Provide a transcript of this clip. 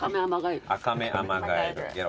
アカメアマガエルゲロゲロ。